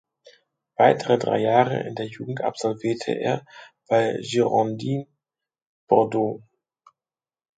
Weitere drei Jahre in der Jugend absolvierte er bei Girondins Bordeaux.